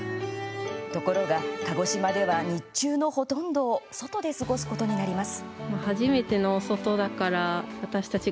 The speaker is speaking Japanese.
ところが鹿児島では日中のほとんどを外で過ごすことになります。